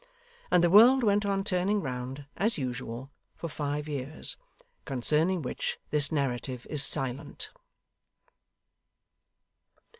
And the world went on turning round, as usual, for five years, concerning which this Narrative is silent.